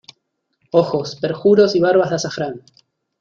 ¡ ojos perjuros y barbas de azafrán!